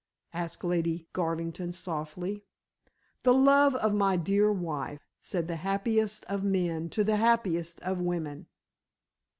asked Lady Garvington softly. "The love of my dear wife," said the happiest of men to the happiest of women.